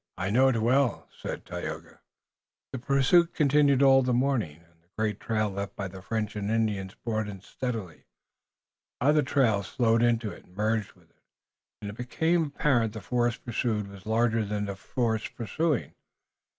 "I know it well, Dagaeoga." The pursuit continued all the morning, and the great trail left by the French and Indians broadened steadily. Other trails flowed into and merged with it, and it became apparent that the force pursued was larger than the force pursuing.